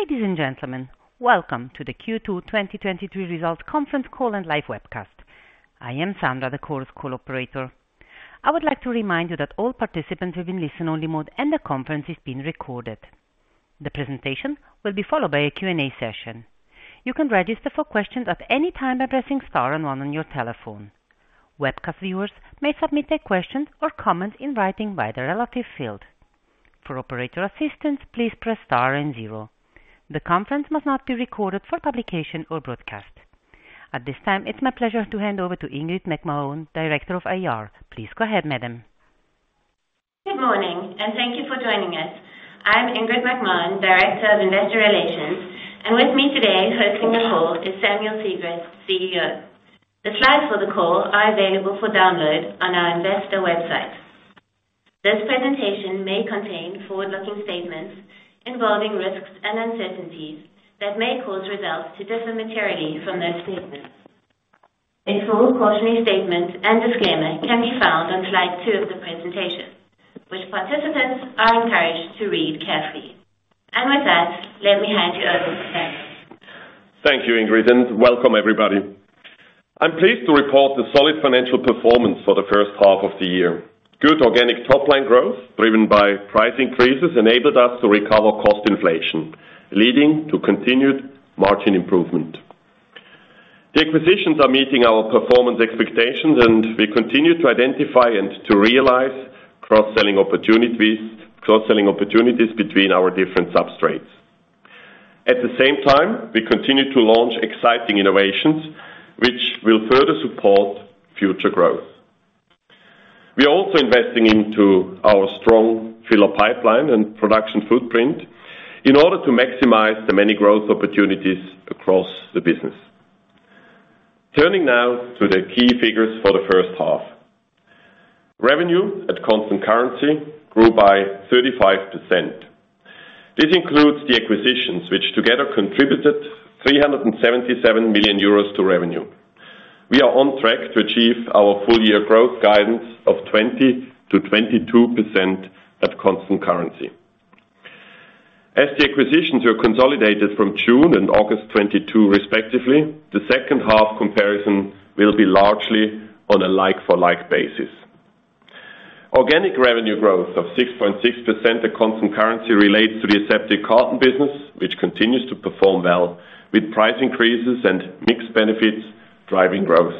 Ladies and gentlemen, welcome to the Q2 2023 Results Conference Call and Live Webcast. I am Sandra, the call's call operator. I would like to remind you that all participants will be in listen-only mode, and the conference is being recorded. The presentation will be followed by a Q&A session. You can register for questions at any time by pressing star and 1 on your telephone. Webcast viewers may submit their questions or comments in writing via the relative field. For operator assistance, please press star and 0. The conference must not be recorded for publication or broadcast. At this time, it's my pleasure to hand over to Ingrid McMahon, Director of IR. Please go ahead, madam. Good morning, and thank you for joining us. I'm Ingrid McMahon, Director of Investor Relations, and with me today hosting the call is Samuel Sigrist, CEO. The slides for the call are available for download on our investor website. This presentation may contain forward-looking statements involving risks and uncertainties that may cause results to differ materially from those statements. A full quarterly statement and disclaimer can be found on slide two of the presentation, which participants are encouraged to read carefully. With that, let me hand you over to Samuel. Thank you, Ingrid, and welcome, everybody. I'm pleased to report the solid financial performance for the first half of the year. Good organic top-line growth, driven by price increases, enabled us to recover cost inflation, leading to continued margin improvement. The acquisitions are meeting our performance expectations, and we continue to identify and to realize cross-selling opportunities between our different substrates. At the same time, we continue to launch exciting innovations, which will further support future growth. We are also investing into our strong filler pipeline and production footprint in order to maximize the many growth opportunities across the business. Turning now to the key figures for the first half. Revenue at constant currency grew by 35%. This includes the acquisitions, which together contributed 377 million euros to revenue. We are on track to achieve our full-year growth guidance of 20%-22% at constant currency. The acquisitions were consolidated from June and August 2022, respectively, the second half comparison will be largely on a like-for-like basis. Organic revenue growth of 6.6% at constant currency relates to the aseptic carton business, which continues to perform well, with price increases and mixed benefits driving growth.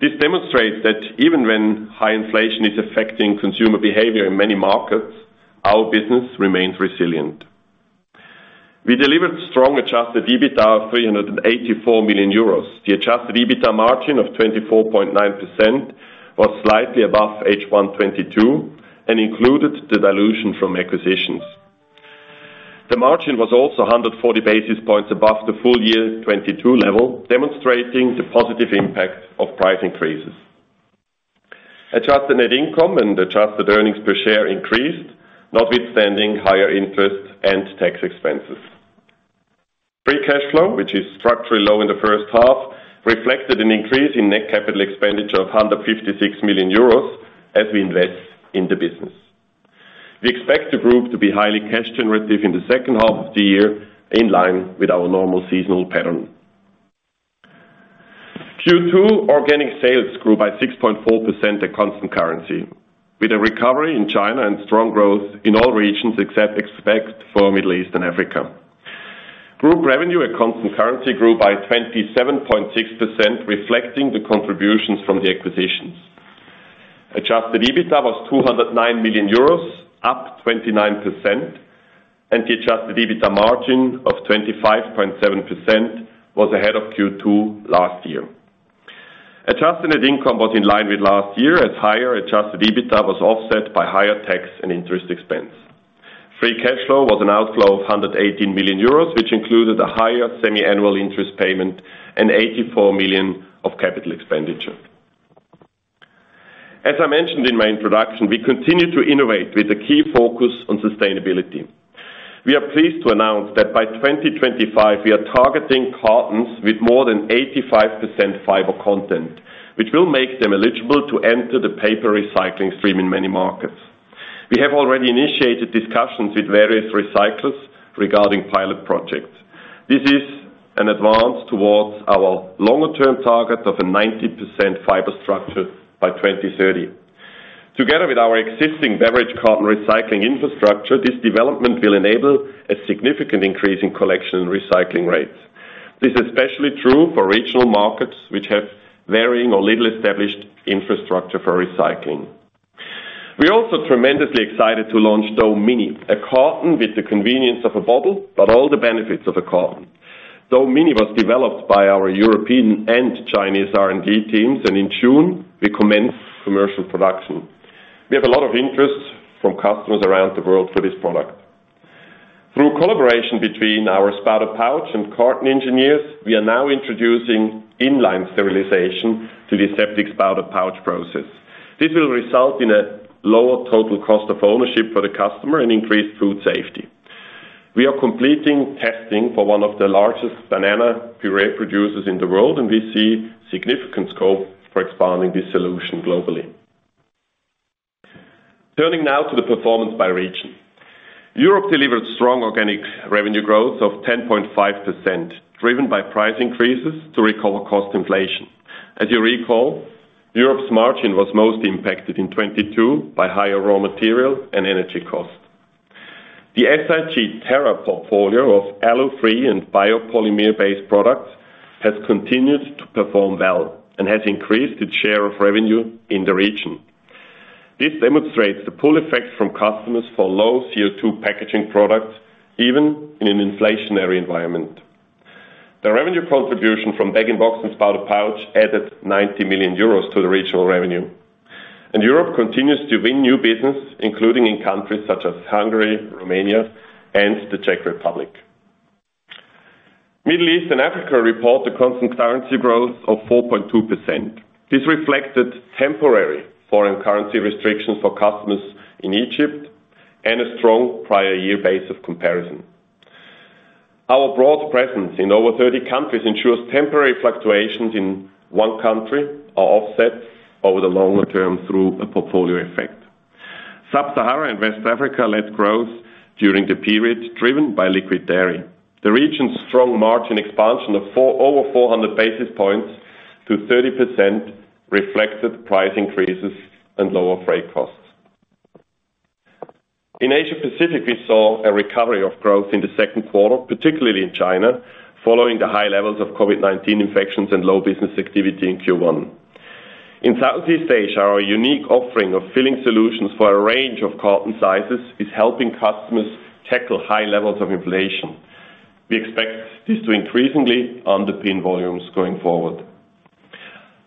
This demonstrates that even when high inflation is affecting consumer behavior in many markets, our business remains resilient. We delivered strong adjusted EBITDA of 384 million euros. The adjusted EBITDA margin of 24.9% was slightly above H1 2022 and included the dilution from acquisitions. The margin was also 140 basis points above the full year 2022 level, demonstrating the positive impact of price increases. Adjusted net income and adjusted earnings per share increased, notwithstanding higher interest and tax expenses. Free cash flow, which is structurally low in the first half, reflected an increase in net capital expenditure of 156 million euros as we invest in the business. We expect the group to be highly cash generative in the second half of the year, in line with our normal seasonal pattern. Q2 organic sales grew by 6.4% at constant currency, with a recovery in China and strong growth in all regions, except for Middle East and Africa. Group revenue at constant currency grew by 27.6%, reflecting the contributions from the acquisitions. Adjusted EBITDA was 209 million euros, up 29%, and the adjusted EBITDA margin of 25.7% was ahead of Q2 last year. Adjusted net income was in line with last year, as higher adjusted EBITDA was offset by higher tax and interest expense. Free cash flow was an outflow of 118 million euros, which included a higher semiannual interest payment and 84 million of CapEx. As I mentioned in my introduction, we continue to innovate with a key focus on sustainability. We are pleased to announce that by 2025, we are targeting cartons with more than 85% fiber content, which will make them eligible to enter the paper recycling stream in many markets. We have already initiated discussions with various recyclers regarding pilot projects. This is an advance towards our longer-term target of a 90% fiber structure by 2030. Together with our existing beverage carton recycling infrastructure, this development will enable a significant increase in collection and recycling rates. This is especially true for regional markets, which have varying or little established infrastructure for recycling. We are also tremendously excited to launch SIGNATURE Mini, a carton with the convenience of a bottle, but all the benefits of a carton. SIGNATURE Mini was developed by our European and Chinese R&D teams, and in June, we commenced commercial production. We have a lot of interest from customers around the world for this product. Through collaboration between our spouted pouch and carton engineers, we are now introducing in-line sterilization to the aseptic spouted pouch process. This will result in a lower total cost of ownership for the customer and increased food safety. We are completing testing for one of the largest banana puree producers in the world, and we see significant scope for expanding this solution globally. Turning now to the performance by region. Europe delivered strong organic revenue growth of 10.5%, driven by price increases to recover cost inflation. As you recall, Europe's margin was mostly impacted in 2022 by higher raw material and energy costs. The SIG Terra portfolio of allo-free and biopolymer-based products has continued to perform well and has increased its share of revenue in the region. This demonstrates the pull effect from customers for low CO₂ packaging products, even in an inflationary environment. The revenue contribution from bag-in-box and spouted pouch added 90 million euros to the regional revenue. Europe continues to win new business, including in countries such as Hungary, Romania, and the Czech Republic. Middle East and Africa report a constant currency growth of 4.2%. This reflected temporary foreign currency restrictions for customers in Egypt and a strong prior year base of comparison. Our broad presence in over 30 countries ensures temporary fluctuations in one country are offset over the longer term through a portfolio effect. Sub-Sahara and West Africa led growth during the period, driven by liquid dairy. The region's strong margin expansion of 400 basis points to 30% reflected price increases and lower freight costs. In Asia Pacific, we saw a recovery of growth in the second quarter, particularly in China, following the high levels of COVID-19 infections and low business activity in Q1. In Southeast Asia, our unique offering of filling solutions for a range of carton sizes is helping customers tackle high levels of inflation. We expect this to increasingly underpin volumes going forward.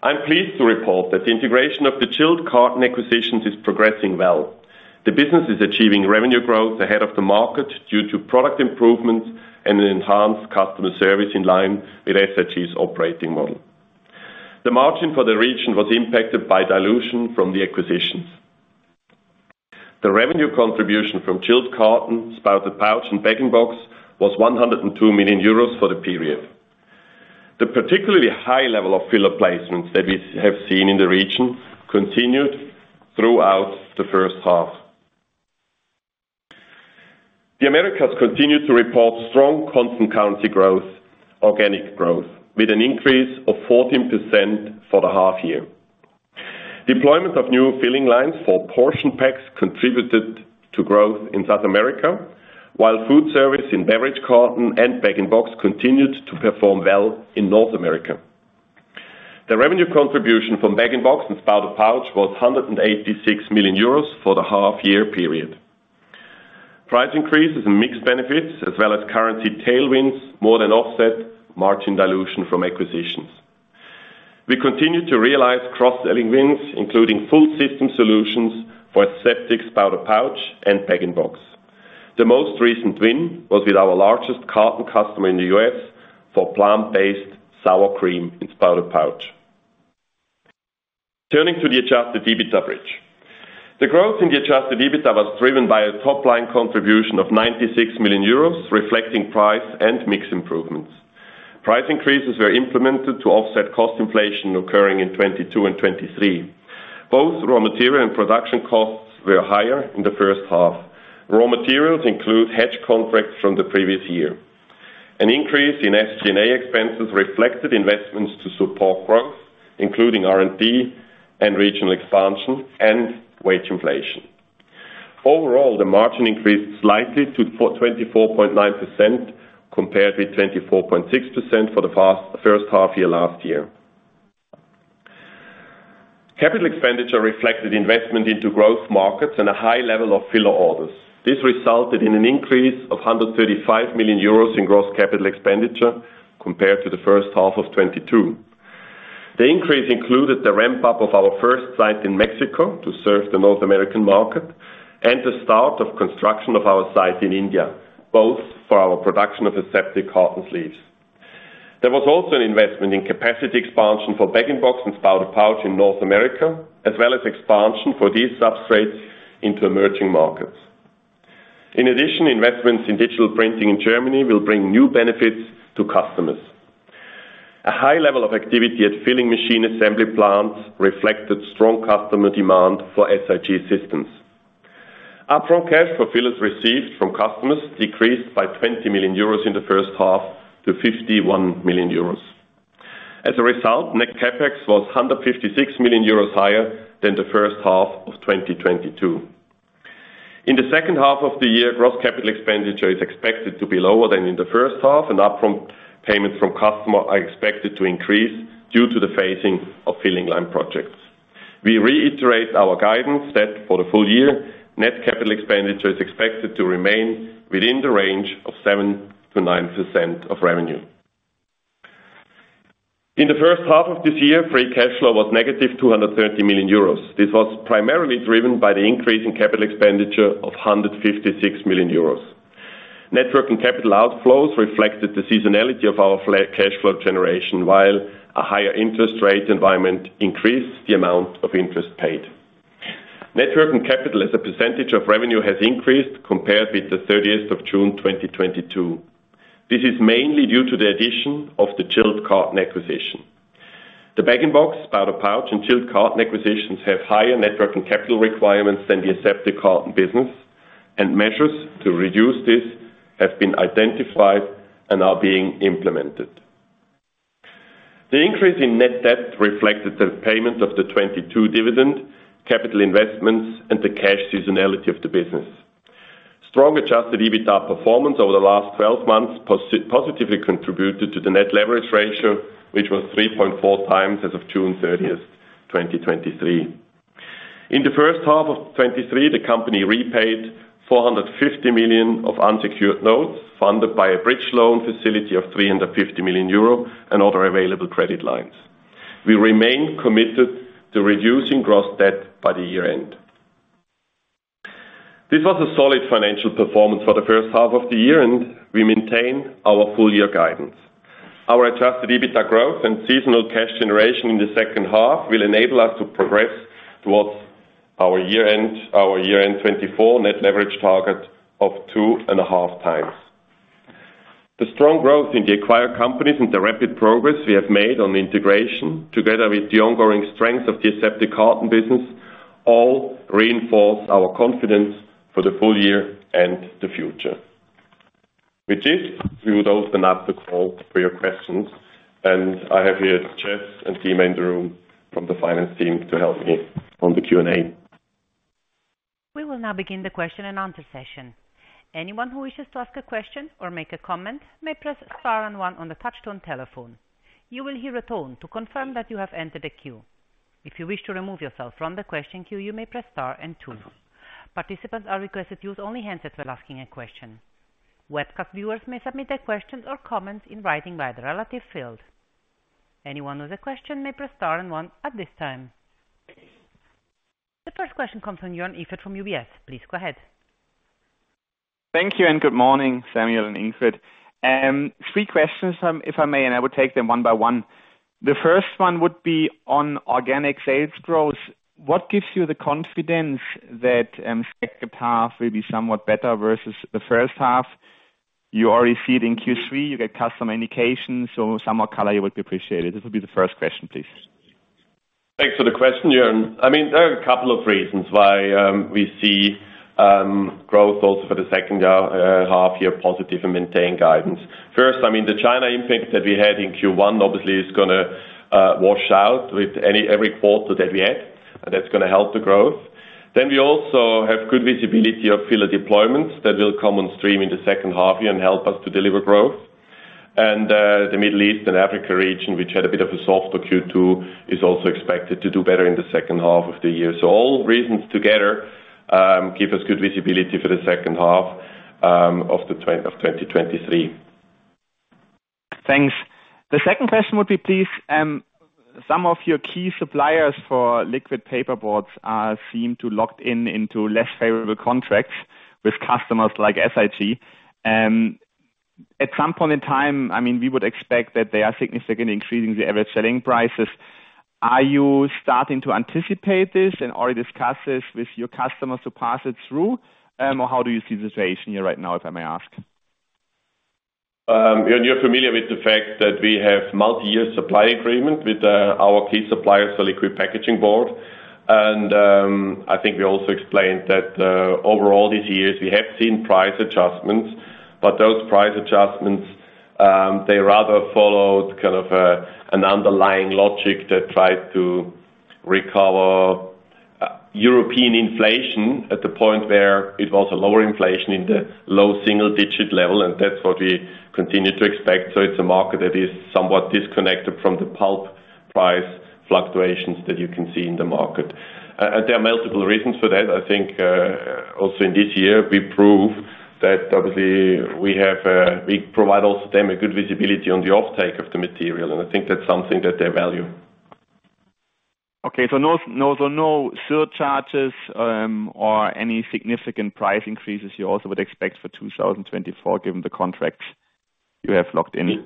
I'm pleased to report that the integration of the chilled carton acquisitions is progressing well. The business is achieving revenue growth ahead of the market due to product improvements and an enhanced customer service in line with SIG's operating model. The margin for the region was impacted by dilution from the acquisitions. The revenue contribution from chilled carton, spouted pouch, and bag-in-box was 102 million euros for the period. The particularly high level of filler placements that we have seen in the region continued throughout the first half. The Americas continued to report strong constant currency growth, organic growth, with an increase of 14% for the half year. Deployment of new filling lines for portion packs contributed to growth in South America, while food service in beverage carton and bag-in-box continued to perform well in North America. The revenue contribution from bag-in-box and spouted pouch was 186 million euros for the half year period. Price increases and mixed benefits, as well as currency tailwinds, more than offset margin dilution from acquisitions. We continue to realize cross-selling wins, including full system solutions for aseptic spouted pouch and bag-in-box. The most recent win was with our largest carton customer in the US for plant-based sour cream in spouted pouch. Turning to the adjusted EBITDA bridge. The growth in the adjusted EBITDA was driven by a top-line contribution of 96 million euros, reflecting price and mix improvements. Price increases were implemented to offset cost inflation occurring in 2022 and 2023. Both raw material and production costs were higher in the first half. Raw materials include hedge contracts from the previous year. An increase in SG&A expenses reflected investments to support growth, including R&D and regional expansion and wage inflation. Overall, the margin increased slightly to 24.9%, compared with 24.6% for the past first half year last year. CapEx reflected investment into growth markets and a high level of filler orders. This resulted in an increase of 135 million euros in gross CapEx compared to the first half of 2022. The increase included the ramp-up of our first site in Mexico to serve the North American market and the start of construction of our site in India, both for our production of aseptic carton sleeves. There was also an investment in capacity expansion for bag-in-box and spouted pouch in North America, as well as expansion for these substrates into emerging markets. In addition, investments in digital printing in Germany will bring new benefits to customers. A high level of activity at filling machine assembly plants reflected strong customer demand for SIG systems. Upfront cash for fillers received from customers decreased by 20 million euros in the first half to 51 million euros. As a result, net CapEx was 156 million euros higher than the first half of 2022. In the second half of the year, gross capital expenditure is expected to be lower than in the first half, and upfront payments from customer are expected to increase due to the phasing of filling line projects. We reiterate our guidance that for the full year, net capital expenditure is expected to remain within the range of 7%-9% of revenue. In the first half of this year, free cash flow was negative 230 million euros. This was primarily driven by the increase in capital expenditure of 156 million euros. Net working capital outflows reflected the seasonality of our cash flow generation, while a higher interest rate environment increased the amount of interest paid. Net working capital, as a percentage of revenue, has increased compared with the 30th of June 2022. This is mainly due to the addition of the chilled carton acquisition. The bag-in-box, powder pouch, and chilled carton acquisitions have higher net working capital requirements than the aseptic carton business, and measures to reduce this have been identified and are being implemented. The increase in net debt reflected the payment of the 2022 dividend, capital investments, and the cash seasonality of the business. Strong adjusted EBITDA performance over the last 12 months positively contributed to the net leverage ratio, which was 3.4 times as of June 30, 2023. In the first half of 2023, the company repaid 450 million of unsecured notes, funded by a bridge loan facility of 350 million euro and other available credit lines. We remain committed to reducing gross debt by the year-end. This was a solid financial performance for the first half of the year. We maintain our full-year guidance. Our adjusted EBITDA growth and seasonal cash generation in the second half will enable us to progress towards our year-end 2024 net leverage target of 2.5 times. The strong growth in the acquired companies and the rapid progress we have made on the integration, together with the ongoing strength of the aseptic carton business, all reinforce our confidence for the full year and the future. With this, we would open up the call for your questions. I have here Jeff and team in the room from the finance team to help me on the Q&A. We will now begin the question and answer session. Anyone who wishes to ask a question or make a comment may press star and one on the touch-tone telephone. You will hear a tone to confirm that you have entered a queue. If you wish to remove yourself from the question queue, you may press star and two. Participants are requested to use only handsets when asking a question. Webcast viewers may submit their questions or comments in writing via the relative field. Anyone with a question may press star and one at this time. The first question comes from Joran Iked from UBS. Please go ahead. Thank you. Good morning, Samuel and Ingrid. Three questions, if I may. I will take them one by one. The first one would be on organic sales growth. What gives you the confidence that second half will be somewhat better versus the first half? You already see it in Q3, you get customer indications. Some more color you would be appreciated. This will be the first question, please. Thanks for the question, Joran. I mean, there are a couple of reasons why we see growth also for the second half year positive and maintain guidance. I mean, the China impact that we had in Q1 obviously is gonna wash out with every quarter that we have, and that's gonna help the growth. We also have good visibility of filler deployments that will come on stream in the second half and help us to deliver growth. The Middle East and Africa region, which had a bit of a softer Q2, is also expected to do better in the second half of the year. All reasons together give us good visibility for the second half of 2023. Thanks. The second question would be, please, some of your key suppliers for liquid paperboards seem to locked in into less favorable contracts with customers like SIG. At some point in time, I mean, we would expect that they are significantly increasing the average selling prices. Are you starting to anticipate this and already discuss this with your customers to pass it through? How do you see the situation here right now, if I may ask? Joran, you're familiar with the fact that we have multi-year supply agreement with our key suppliers for liquid packaging board. I think we also explained that overall, these years, we have seen price adjustments, but those price adjustments, they rather followed an underlying logic that tried to recover European inflation at the point where it was a lower inflation in the low single-digit level, and that's what we continue to expect. It's a market that is somewhat disconnected from the pulp price fluctuations that you can see in the market. There are multiple reasons for that. I think also in this year, we proved that obviously we have, we provide also them a good visibility on the offtake of the material, and I think that's something that they value. Okay, no, so no surcharges, or any significant price increases you also would expect for 2024, given the contracts you have locked in?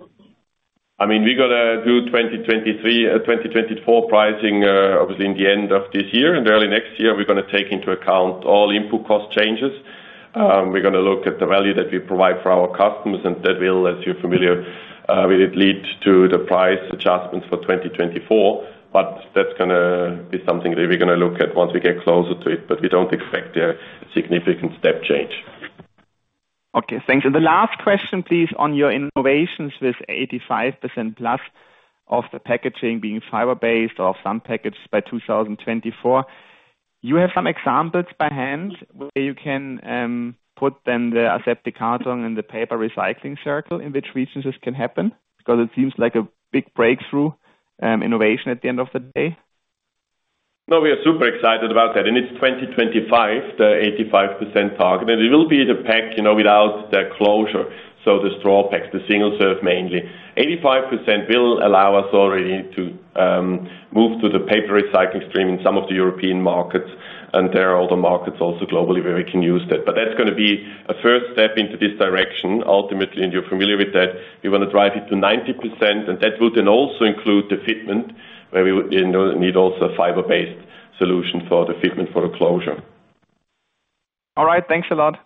I mean, we're gonna do 2023, 2024 pricing, obviously in the end of this year and early next year, we're gonna take into account all input cost changes. We're gonna look at the value that we provide for our customers. That will, as you're familiar, will it lead to the price adjustments for 2024. That's gonna be something that we're gonna look at once we get closer to it. We don't expect a significant step change. Okay, thanks. The last question, please, on your innovations with 85% plus of the packaging being fiber-based or some package by 2024. You have some examples by hand where you can put then the aseptic carton in the paper recycling circle, in which resources can happen? It seems like a big breakthrough innovation at the end of the day. No, we are super excited about that. It's 2025, the 85% target. It will be the pack, you know, without the closure, so the straw packs, the single serve, mainly. 85% will allow us already to move to the paper recycling stream in some of the European markets, and there are other markets also globally, where we can use that. That's gonna be a first step into this direction. Ultimately, and you're familiar with that, we wanna drive it to 90%, and that will then also include the fitment, where we, you know, need also a fiber-based solution for the fitment for the closure. All right, thanks a lot.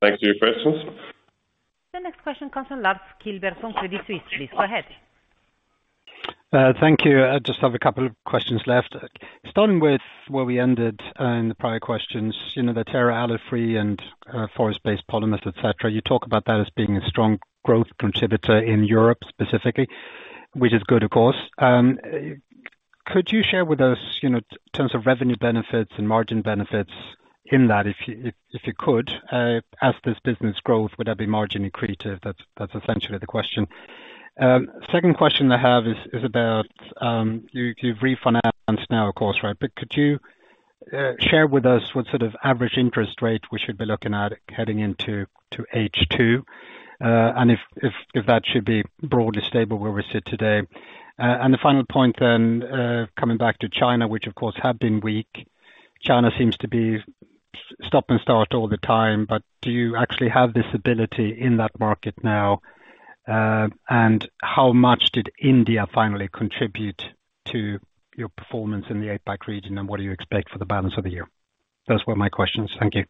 Thanks for your questions. The next question comes from Lars Kjellberg from Credit Suisse. Please go ahead. Thank you. I just have a couple of questions left. Starting with where we ended in the prior questions, you know, the Terra allo-free and forest-based polymers, et cetera. You talk about that as being a strong growth contributor in Europe, specifically, which is good, of course. Could you share with us, you know, terms of revenue benefits and margin benefits in that, if you could, as this business grows, would that be margin accretive? That's essentially the question. Second question I have is about, you've refinanced now, of course, right? Could you share with us what sort of average interest rate we should be looking at heading into H2? And if that should be broadly stable where we sit today. The final point coming back to China, which of course, had been weak. China seems to be stop and start all the time. Do you actually have this ability in that market now? How much did India finally contribute to your performance in the APAC region, and what do you expect for the balance of the year? Those were my questions. Thank you.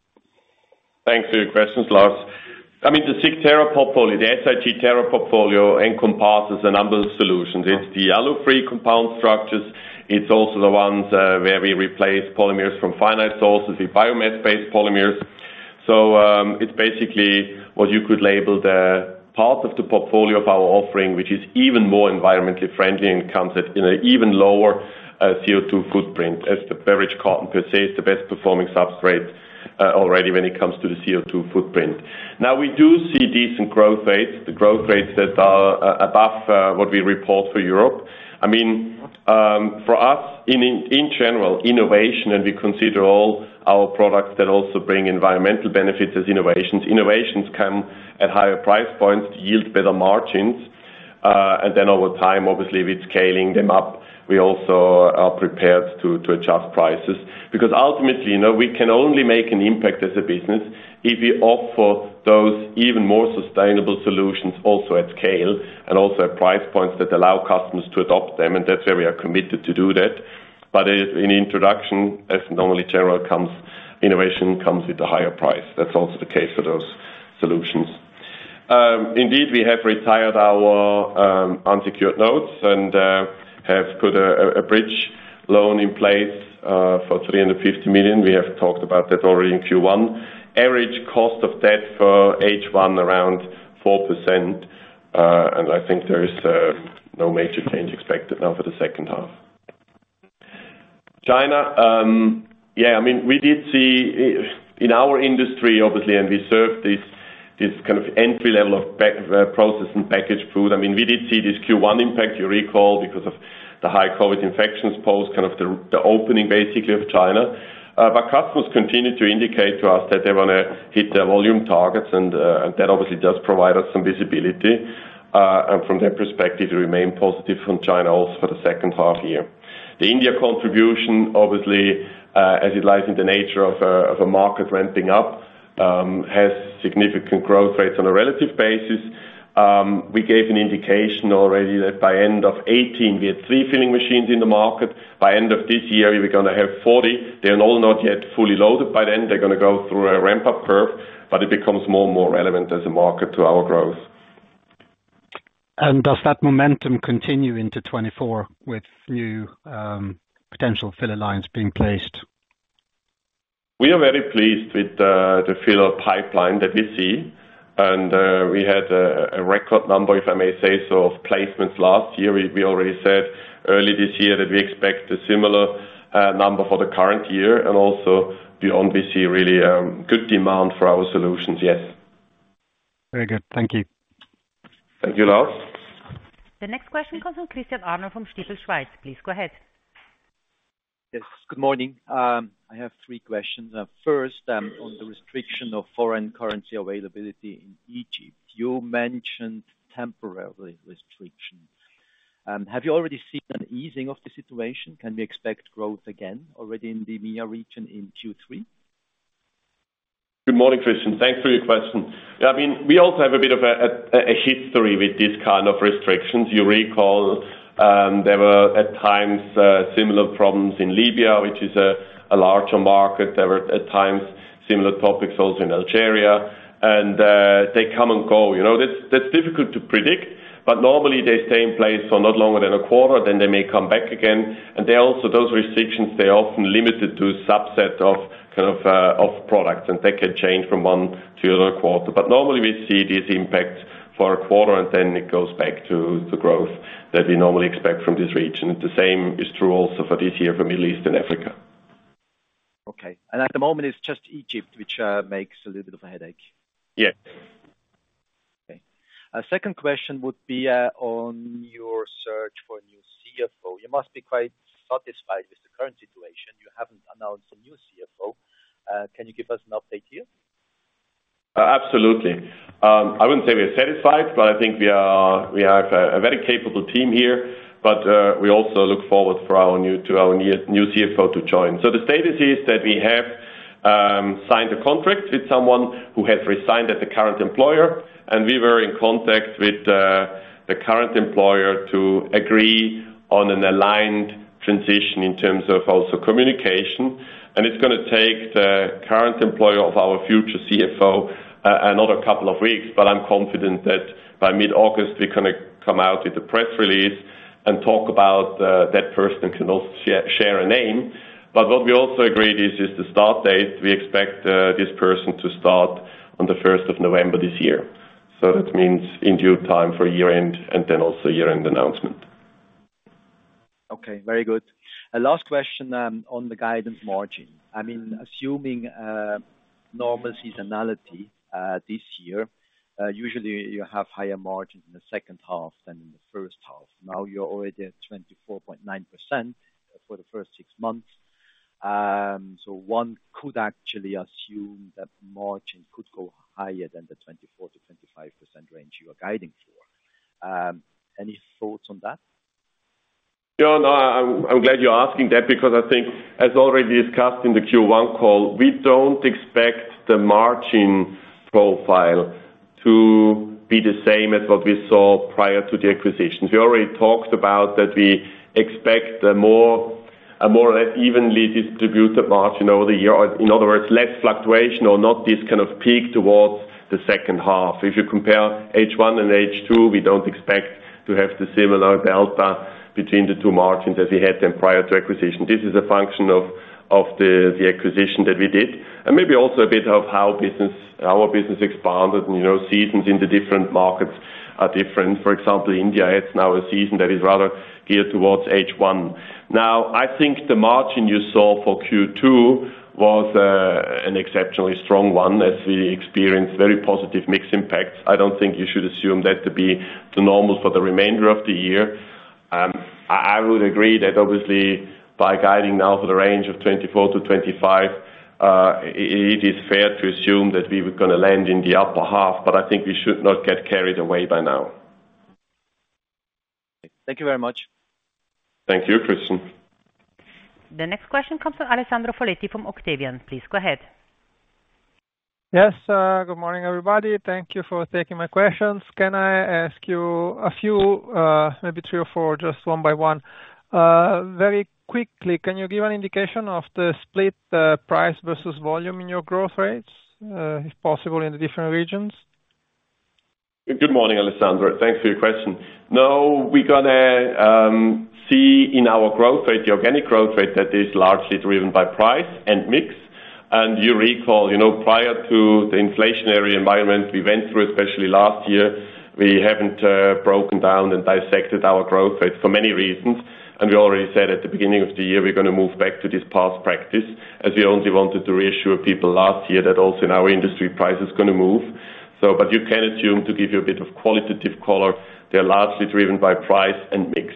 Thanks for your questions, Lars. I mean, the SIG Terra portfolio encompasses a number of solutions. It's the allo-free compound structures. It's also the ones where we replace polymers from finite sources, the biomass-based polymers. It's basically what you could label the part of the portfolio of our offering, which is even more environmentally friendly and comes with, you know, even lower CO₂ footprint, as the beverage carton per se, is the best performing substrate already when it comes to the CO₂ footprint. We do see decent growth rates, the growth rates that are above what we report for Europe. I mean, for us, in general, innovation, and we consider all our products that also bring environmental benefits as innovations. Innovations come at higher price points, yield better margins. Over time, obviously, with scaling them up, we also are prepared to adjust prices. Ultimately, you know, we can only make an impact as a business if we offer those even more sustainable solutions, also at scale, and also at price points that allow customers to adopt them, that's where we are committed to do that. In introduction, as normally innovation comes with a higher price. That's also the case for those solutions. Indeed, we have retired our unsecured notes, have put a bridge loan in place for 350 million. We have talked about that already in Q1. Average cost of debt for H1, around 4%, I think there is no major change expected now for the second half. China, yeah, I mean, we did see in our industry, obviously, and we serve this kind of entry-level of pack, processed and packaged food. I mean, we did see this Q1 impact, you recall, because of the high COVID infections post, kind of the opening, basically, of China. Customers continued to indicate to us that they wanna hit their volume targets, and that obviously does provide us some visibility, and from their perspective, we remain positive from China also for the second half year. The India contribution, obviously, as it lies in the nature of a market ramping up, has significant growth rates on a relative basis. We gave an indication already that by end of 2018, we had 3 filling machines in the market. By end of this year, we're gonna have 40. They're all not yet fully loaded, by then they're gonna go through a ramp-up curve, but it becomes more and more relevant as a market to our growth. Does that momentum continue into 2024 with new, potential filler lines being placed? We are very pleased with the filler pipeline that we see, and we had a record number, if I may say so, of placements last year. We already said early this year that we expect a similar number for the current year and also beyond. We see really good demand for our solutions. Yes. Very good. Thank you. Thank you, Lars. The next question comes from Christian Arnold from Stifel Schweiz. Please go ahead. Yes, good morning. I have 3 questions. First, on the restriction of foreign currency availability in Egypt. You mentioned temporarily restriction. Have you already seen an easing of the situation? Can we expect growth again already in the near region, in Q3? Good morning, Christian. Thanks for your question. I mean, we also have a bit of a history with these kind of restrictions. You recall, there were at times, similar problems in Libya, which is a larger market. There were, at times, similar topics also in Algeria. They come and go. You know, that's difficult to predict, but normally they stay in place for not longer than a quarter, then they may come back again. Those restrictions, they often limited to a subset of, kind of, products, and they can change from one to another quarter. Normally, we see these impacts for a quarter, and then it goes back to the growth that we normally expect from this region. The same is true also for this year, for Middle East and Africa. Okay. At the moment it's just Egypt, which makes a little bit of a headache? Yes. Okay. Second question would be on your search for a new CFO. You must be quite satisfied with the current situation. You haven't announced a new CFO. Can you give us an update here? Absolutely. I wouldn't say we're satisfied, but I think we have a very capable team here, but we also look forward to our new CFO to join. The status is that we have signed a contract with someone who has resigned as the current employer, and we were in contact with the current employer to agree on an aligned transition in terms of also communication. It's gonna take the current employer of our future CFO another couple of weeks, but I'm confident that by mid-August, we're gonna come out with a press release and talk about that person, can also share a name. What we also agreed is the start date. We expect this person to start on the first of November this year. That means in due time for year-end and then also year-end announcement. Okay, very good. Last question on the guidance margin. I mean, assuming normal seasonality this year, usually you have higher margin in the second half than in the first half. Now, you're already at 24.9% for the first six months. One could actually assume that margin could go higher than the 24%-25% range you are guiding for. Any thoughts on that? No, I'm glad you're asking that because I think, as already discussed in the Q1 call, we don't expect the margin profile to be the same as what we saw prior to the acquisition. We already talked about that we expect a more or less evenly distributed margin over the year. In other words, less fluctuation or not this kind of peak towards the second half. If you compare H1 and H2, we don't expect to have the similar delta between the two margins as we had them prior to acquisition. This is a function of the acquisition that we did, and maybe also a bit of how our business expanded, and, you know, seasons in the different markets are different. For example, India, it's now a season that is rather geared towards H1. I think the margin you saw for Q2 was an exceptionally strong one as we experienced very positive mix impacts. I don't think you should assume that to be the normal for the remainder of the year. I would agree that obviously, by guiding now for the range of 24%-25%, it is fair to assume that we were gonna land in the upper half, but I think we should not get carried away by now. Thank you very much. Thank you, Christian. The next question comes from Alessandro Folletti from Octavian. Please go ahead. Yes, good morning, everybody. Thank you for taking my questions. Can I ask you a few, maybe three or four, just one by one? Very quickly, can you give an indication of the split, price versus volume in your growth rates, if possible, in the different regions? Good morning, Alessandro. Thanks for your question. No, we're gonna see in our growth rate, the organic growth rate, that is largely driven by price and mix. You recall, you know, prior to the inflationary environment we went through, especially last year, we haven't broken down and dissected our growth rate for many reasons. We already said at the beginning of the year, we're gonna move back to this past practice, as we only wanted to reassure people last year that also in our industry, price is gonna move. You can assume, to give you a bit of qualitative color, they're largely driven by price and mix.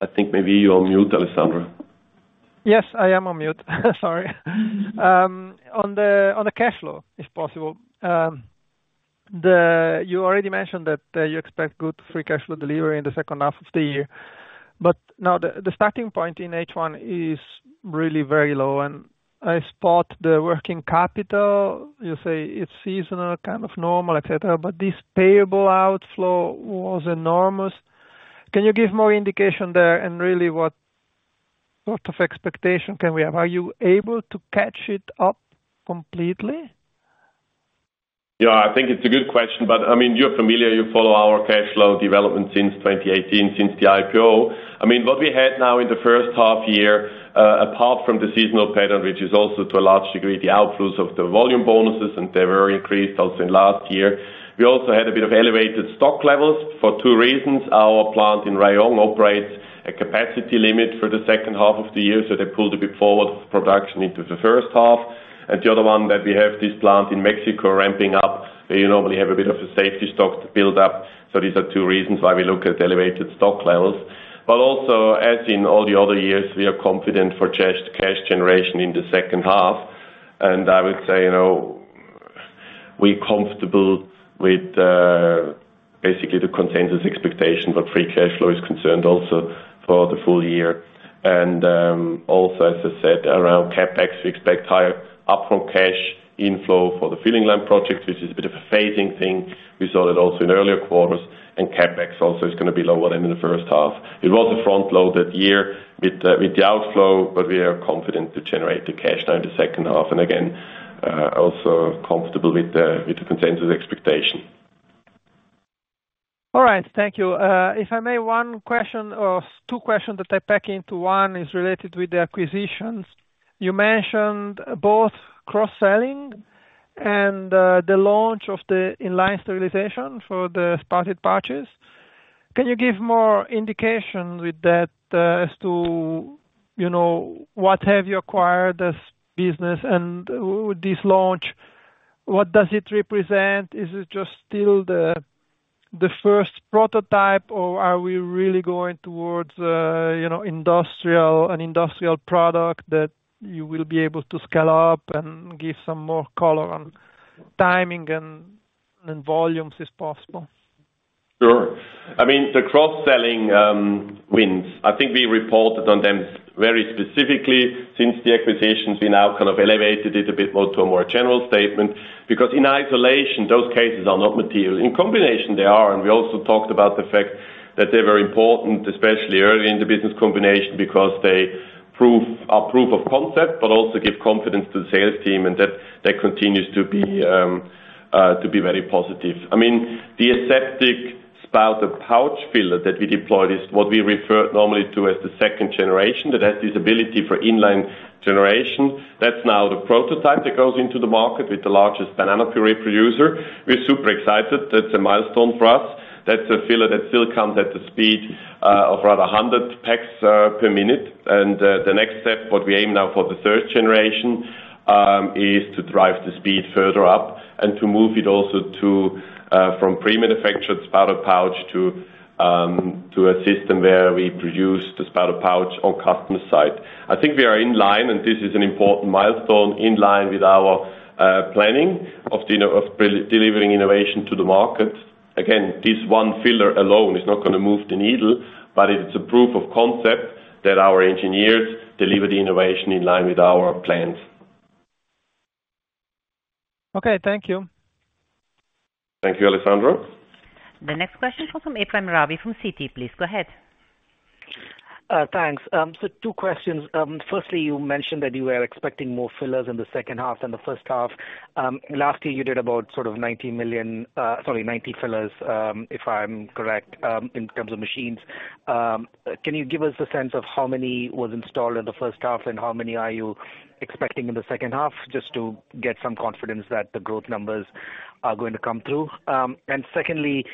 I think maybe you're on mute, Alessandro. Yes, I am on mute. Sorry. On the cash flow, if possible, you already mentioned that you expect good free cash flow delivery in the second half of the year. Now, the starting point in H1 is really very low, and I spot the working capital. You say it's seasonal, kind of normal, et cetera, but this payable outflow was enormous. Can you give more indication there, and really, what of expectation can we have? Are you able to catch it up completely? I think it's a good question. I mean, you're familiar, you follow our cash flow development since 2018, since the IPO. I mean, what we had now in the first half year, apart from the seasonal pattern, which is also, to a large degree, the outflows of the volume bonuses, and they were increased also in last year. We also had a bit of elevated stock levels for two reasons. Our plant in Rayong operates a capacity limit for the second half of the year, so they pulled a bit forward of production into the first half. The other one, that we have this plant in Mexico ramping up, where you normally have a bit of a safety stock to build up. These are two reasons why we look at elevated stock levels. Also, as in all the other years, we are confident for cash generation in the second half. I would say, you know, we're comfortable with basically the consensus expectation, where free cash flow is concerned also for the full year. Also, as I said, around CapEx, we expect higher upfront cash inflow for the filling line project, which is a bit of a phasing thing. We saw that also in earlier quarters, CapEx also is gonna be lower than in the first half. It was a front-loaded year with the outflow, we are confident to generate the cash now in the second half, and again, also comfortable with the consensus expectation. All right, thank you. If I may, one question or two questions that I pack into one, is related with the acquisitions. You mentioned both cross-selling and, the launch of the in-line sterilization for the spouted pouches. Can you give more indication with that, as to, you know, what have you acquired as business and this launch, what does it represent? Is it just still the first prototype, or are we really going towards, you know, industrial, an industrial product that you will be able to scale up? Give some more color on timing and volumes, if possible. Sure. I mean, the cross-selling wins, I think we reported on them very specifically since the acquisitions, we now kind of elevated it a bit more to a more general statement, because in isolation, those cases are not material. In combination, they are, and we also talked about the fact that they're very important, especially early in the business combination, because they prove, are proof of concept, but also give confidence to the sales team, and that continues to be very positive. I mean, the aseptic spouted pouch filler that we deployed is what we refer normally to as the second generation, that has this ability for inline generation. That's now the prototype that goes into the market with the largest banana puree producer. We're super excited. That's a milestone for us. That's a filler that still comes at the speed of around 100 packs per minute. The next step, what we aim now for the 3rd generation, is to drive the speed further up and to move it also to from pre-manufactured spouted pouch to a system where we produce the spouted pouch on customer site. I think we are in line, and this is an important milestone, in line with our planning of delivering innovation to the market. Again, this one filler alone is not gonna move the needle, but it's a proof of concept that our engineers deliver the innovation in line with our plans. Okay, thank you. Thank you, Alessandro. The next question comes from Ephrem Ravi from Citi. Please go ahead. Thanks. Two questions. Firstly, you mentioned that you were expecting more fillers in the second half than the first half. Last year, you did about sort of 90 fillers, if I'm correct, in terms of machines. Can you give us a sense of how many was installed in the first half, and how many are you expecting in the second half, just to get some confidence that the growth numbers are going to come through? Secondly,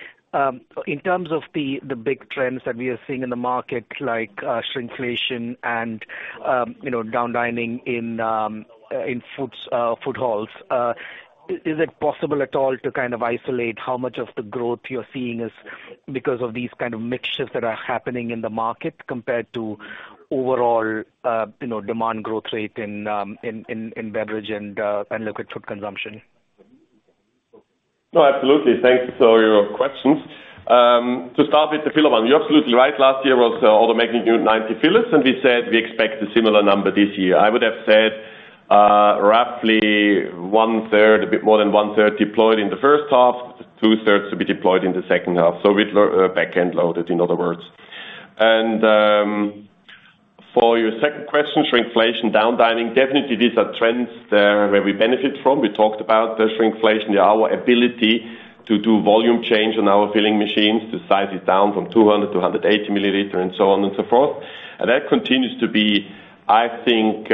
in terms of the big trends that we are seeing in the market, like, shrinkflation and, you know, down dining in foods, food halls, is it possible at all to kind of isolate how much of the growth you're seeing is because of these kind of mix shifts that are happening in the market, compared to overall, you know, demand growth rate in, in beverage and liquid food consumption? No, absolutely. Thank you for your questions. To start with the filler one, you're absolutely right. Last year was all the making new 90 fillers, and we said we expect a similar number this year. I would have said, roughly one third, a bit more than one third deployed in the first half, two thirds to be deployed in the second half, so it back-end loaded, in other words. For your second question, shrinkflation, down-dining, definitely these are trends where we benefit from. We talked about the shrinkflation, our ability to do volume change on our filling machines, to size it down from 200 to 180 ml and so on and so forth. That continues to be, I think,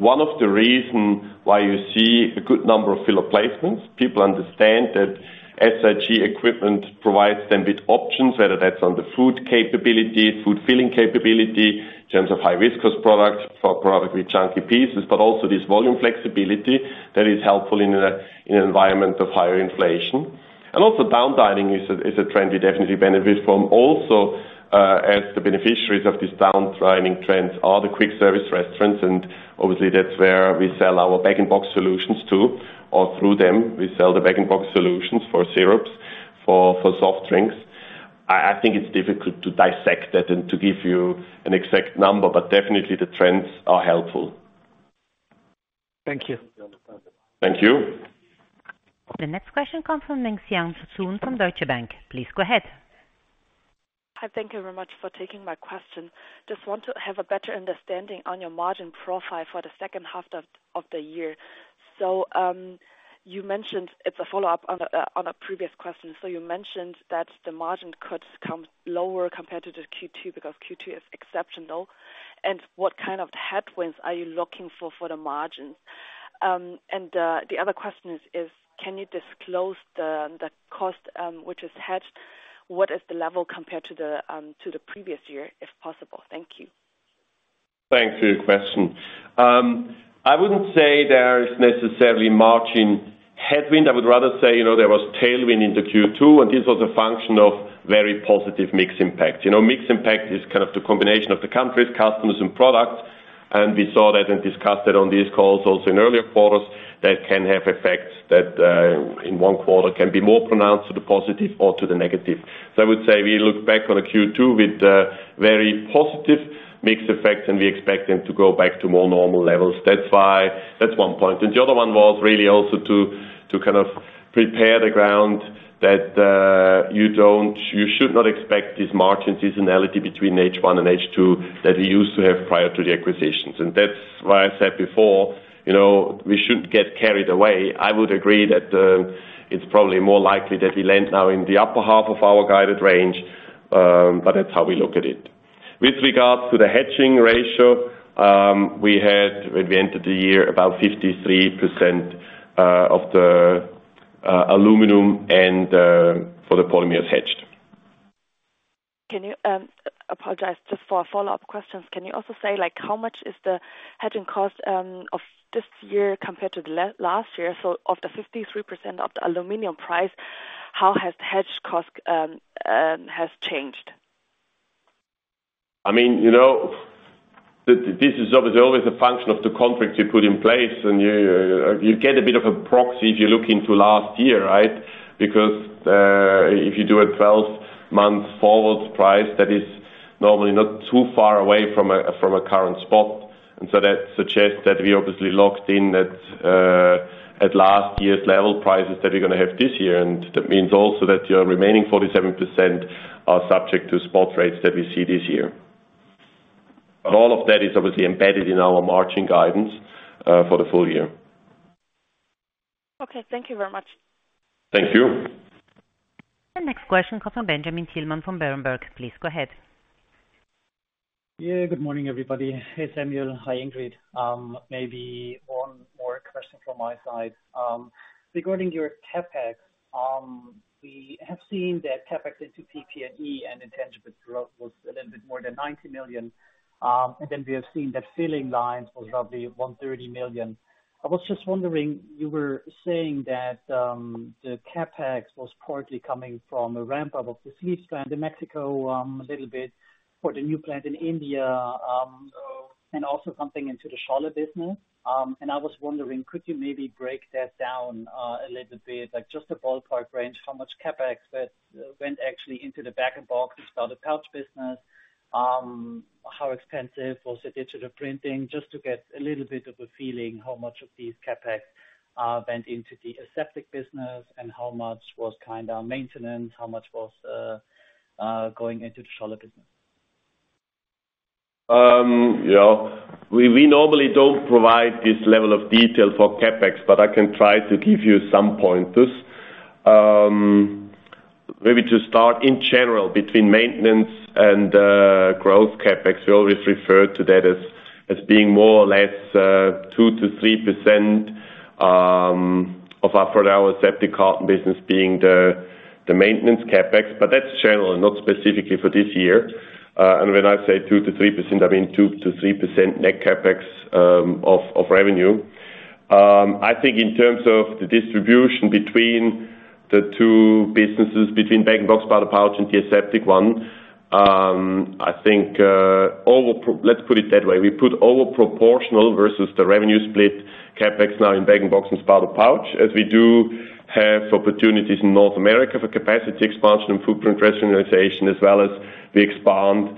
one of the reason why you see a good number of filler placements. People understand that SIG equipment provides them with options, whether that's on the food capability, food filling capability, in terms of high-viscous products, for product with chunky pieces, also this volume flexibility that is helpful in an environment of higher inflation. Also down-dining is a trend we definitely benefit from. Also, as the beneficiaries of this down-dining trends are the quick service restaurants, obviously that's where we sell our bag-in-box solutions to, or through them. We sell the bag-in-box solutions for syrups, for soft drinks. I think it's difficult to dissect that and to give you an exact number, definitely the trends are helpful. Thank you. Thank you. The next question comes from Ming Xiang Tsun from Deutsche Bank. Please go ahead. Hi, thank you very much for taking my question. Just want to have a better understanding on your margin profile for the second half of the year. You mentioned... It's a follow-up on a previous question. You mentioned that the margin could come lower compared to the Q2, because Q2 is exceptional. What kind of headwinds are you looking for for the margins? The other question is, can you disclose the cost which is hedged? What is the level compared to the previous year, if possible? Thank you. Thanks for your question. I wouldn't say there is necessarily margin headwind. I would rather say, you know, there was tailwind in the Q2. This was a function of very positive mix impact. You know, mix impact is kind of the combination of the countries, customers, and product. We saw that and discussed that on these calls also in earlier quarters, that can have effects that in one quarter, can be more pronounced to the positive or to the negative. I would say we look back on the Q2 with very positive mix effects, and we expect them to go back to more normal levels. That's one point. The other one was really also to kind of prepare the ground, that you should not expect this margin seasonality between H1 and H2, that we used to have prior to the acquisitions. That's why I said before, you know, we shouldn't get carried away. I would agree that it's probably more likely that we land now in the upper half of our guided range, but that's how we look at it. With regards to the hedging ratio, we had, at the end of the year, about 53% of the aluminum and for the polymers hedged. Can you... Apologize, just for a follow-up question, can you also say, like, how much is the hedging cost of this year compared to the last year? Of the 53% of the aluminum price, how has the hedge cost has changed? I mean, you know, this is obviously always a function of the contract you put in place, and you get a bit of a proxy if you look into last year, right? Because if you do a 12-month forward price, that is normally not too far away from a, from a current spot. That suggests that we obviously locked in at last year's level prices that we're gonna have this year. That means also that your remaining 47% are subject to spot rates that we see this year. All of that is obviously embedded in our margin guidance for the full year. Okay. Thank you very much. Thank you. The next question comes from Benjamin Thielmann from Berenberg. Please go ahead. Good morning, everybody. Hey, Samuel. Hi, Ingrid. Maybe one more question from my side. Regarding your CapEx, we have seen that CapEx into PP&E and intangible growth was a little bit more than 90 million. We have seen that filling lines was roughly 130 million. I was just wondering, you were saying that the CapEx was partly coming from a ramp up of the fleece plant in Mexico, a little bit for the new plant in India, and also something into the Scholle business. I was wondering, could you maybe break that down a little bit? Like, just a ballpark range, how much CapEx that went actually into the bag-in-box and spouted pouch business, how expensive was the digital printing? To get a little bit of a feeling, how much of these CapEx went into the aseptic business, and how much was kind of maintenance, how much was going into the Scholle business? You know, we normally don't provide this level of detail for CapEx, but I can try to give you some pointers. Maybe to start, in general, between maintenance and growth CapEx, we always refer to that as being more or less 2%-3% of our for our aseptic carton business being the maintenance CapEx. That's generally, not specifically for this year. When I say 2%-3%, I mean 2%-3% net CapEx, of revenue. I think in terms of the distribution between the two businesses, between bag-in-box, spouted pouch and the aseptic one, I think, over let's put it that way. We put over proportional versus the revenue split CapEx now in bag-in-box and spouted pouch, as we do have opportunities in North America for capacity expansion and footprint rationalization, as well as we expand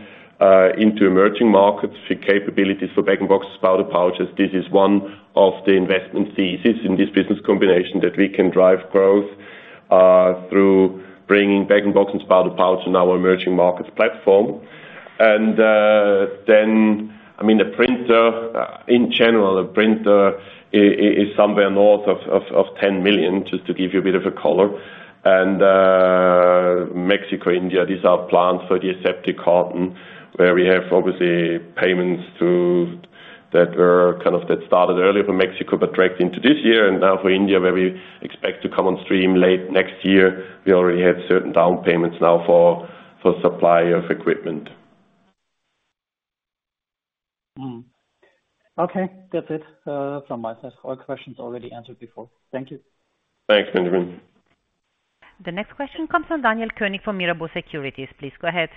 into emerging markets for capabilities for bag-in-box, spouted pouches. This is one of the investment thesis in this business combination that we can drive growth through bringing bag-in-box and spouted pouch in our emerging markets platform. I mean, the printer, in general, the printer is somewhere north of 10 million, just to give you a bit of a color. Mexico, India, these are plants for the aseptic carton, where we have obviously payments to that are kind of That started earlier from Mexico, but dragged into this year, and now for India, where we expect to come on stream late next year. We already have certain down payments now for supply of equipment. Okay, that's it, from my side. All questions already answered before. Thank you. Thanks, Benjamin. The next question comes from Daniel Koenig, from Mirabaud Securities. Please go ahead.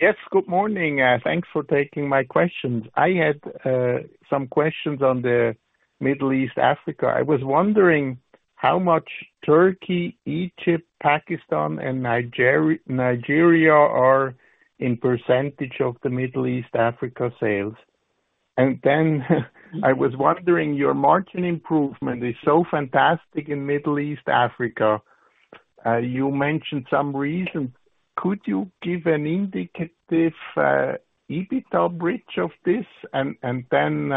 Yes. Good morning, thanks for taking my questions. I had some questions on the Middle East, Africa. I was wondering how much Turkey, Egypt, Pakistan and Nigeria are in % of the Middle East, Africa sales? Then, I was wondering, your margin improvement is so fantastic in Middle East, Africa. You mentioned some reasons. Could you give an indicative EBITDA bridge of this? Then,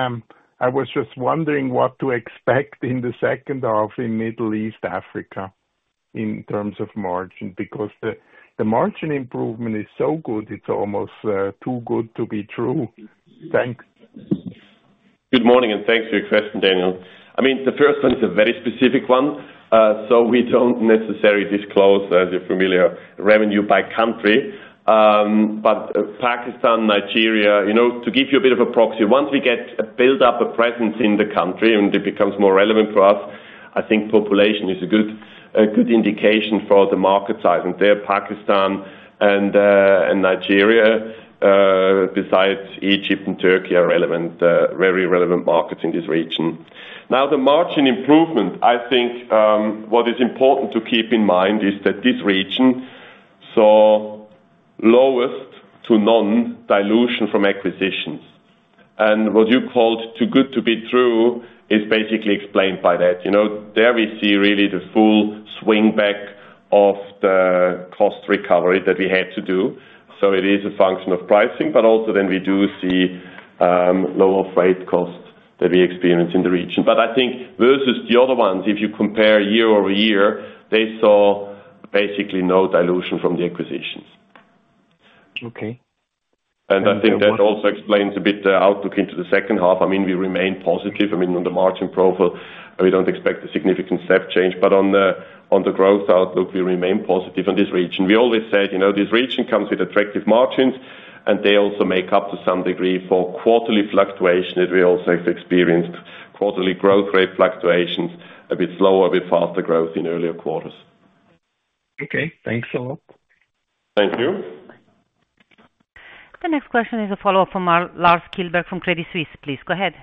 I was just wondering what to expect in the second half in Middle East, Africa, in terms of margin, because the margin improvement is so good, it's almost too good to be true. Thanks. Good morning. Thanks for your question, Daniel. I mean, the first one is a very specific one, so we don't necessarily disclose, as you're familiar, revenue by country. Pakistan, Nigeria, you know, to give you a bit of a proxy, once we get a build up a presence in the country and it becomes more relevant for us, I think population is a good indication for the market size. There, Pakistan and Nigeria, besides Egypt and Turkey, are relevant, very relevant markets in this region. Now, the margin improvement, I think, what is important to keep in mind is that this region saw lowest to none dilution from acquisitions. What you called "too good to be true," is basically explained by that. You know, there we see really the full swing back of the cost recovery that we had to do. It is a function of pricing, but also then we do see lower freight costs that we experience in the region. I think versus the other ones, if you compare year-over-year, they saw basically no dilution from the acquisitions. Okay. I think that also explains a bit the outlook into the second half. I mean, we remain positive. I mean, on the margin profile, we don't expect a significant step change, but on the growth outlook, we remain positive on this region. We always said, you know, this region comes with attractive margins, and they also make up to some degree for quarterly fluctuation that we also have experienced. Quarterly growth rate fluctuations, a bit slower, a bit faster growth in earlier quarters. Okay. Thanks a lot. Thank you. The next question is a follow-up from our Lars Kjellberg from Credit Suisse. Please go ahead.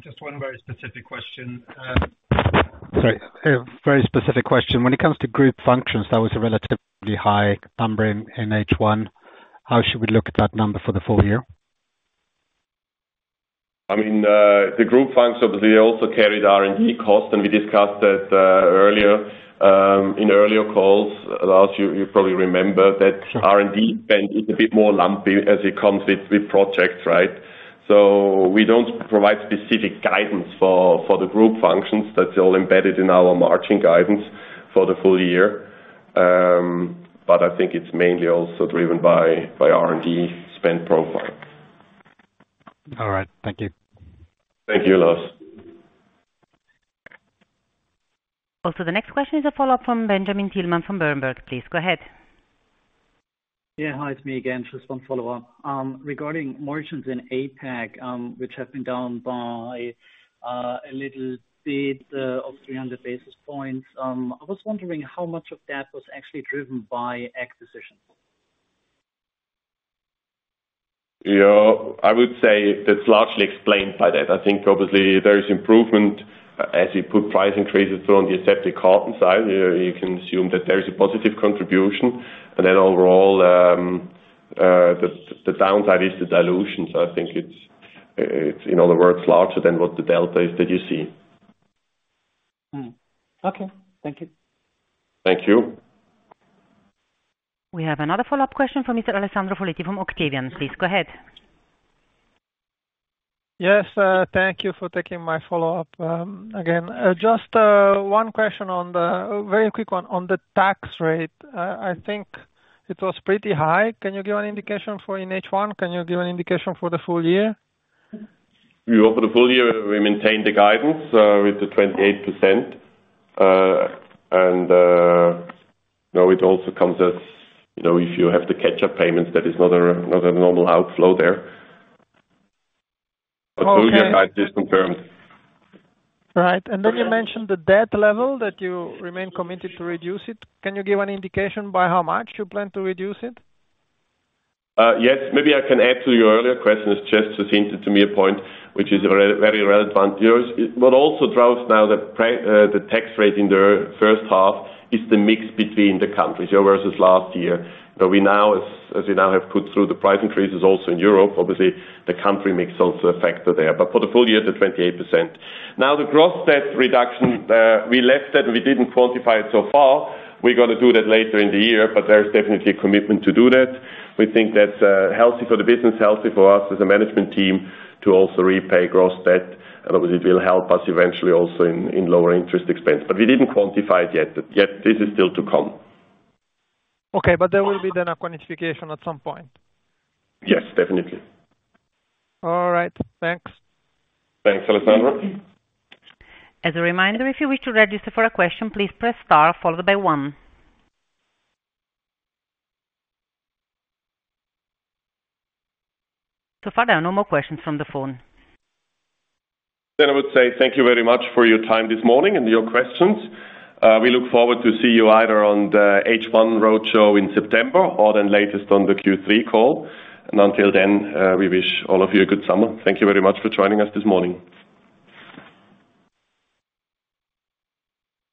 Just one very specific question. Sorry, a very specific question. When it comes to group functions, that was a relatively high number in H1. How should we look at that number for the full year? I mean, the group functions, obviously, also carried R&D costs. We discussed that earlier in earlier calls. Lars, you probably remember that R&D spend is a bit more lumpy as it comes with projects, right? We don't provide specific guidance for the group functions. That's all embedded in our margin guidance for the full year. I think it's mainly also driven by R&D spend profile. All right. Thank you. Thank you, Lars. The next question is a follow-up from Benjamin Thielmann from Berenberg. Please go ahead. Yeah. Hi, it's me again. Just one follow-up. Regarding margins in APAC, which have been down by 300 basis points. I was wondering how much of that was actually driven by acquisitions? Yeah, I would say that's largely explained by that. I think obviously there is improvement as you put price increases on the aseptic carton side. You can assume that there is a positive contribution, and then overall, the downside is the dilution. I think it's in other words, larger than what the delta is that you see. Hmm. Okay. Thank you. Thank you. We have another follow-up question from Mr. Alessandro Folletti from Octavian. Please go ahead. Yes, thank you for taking my follow-up again. Just one question, a very quick one on the tax rate. I think it was pretty high. Can you give an indication for in H1? Can you give an indication for the full year? We hope for the full year, we maintain the guidance, with the 28%. You know, it also comes as, you know, if you have the catch-up payments, that is not a, not a normal outflow there. Okay. Full year guide is confirmed. Right. You mentioned the debt level, that you remain committed to reduce it. Can you give an indication by how much you plan to reduce it? Yes. Maybe I can add to your earlier question. It's just to seem to me a point which is very, very relevant. What also drives now the tax rate in the first half is the mix between the countries, so versus last year. We now, as we now have put through the price increases also in Europe, obviously, the country mix also a factor there, but for the full year, the 28%. The gross debt reduction, we left that, we didn't quantify it so far. We're gonna do that later in the year, but there is definitely a commitment to do that. We think that's healthy for the business, healthy for us as a management team to also repay gross debt. Obviously, it will help us eventually also in lower interest expense. We didn't quantify it yet. Yes, this is still to come. Okay, there will be then a quantification at some point? Yes, definitely. All right. Thanks. Thanks, Alessandro. As a reminder, if you wish to register for a question, please press star followed by one. So far, there are no more questions on the phone. I would say thank you very much for your time this morning and your questions. We look forward to see you either on the H1 roadshow in September or then latest on the Q3 call. Until then, we wish all of you a good summer. Thank you very much for joining us this morning.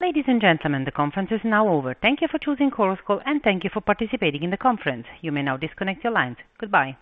Ladies and gentlemen, the conference is now over. Thank you for choosing Chorus Call, and thank you for participating in the conference. You may now disconnect your lines. Goodbye.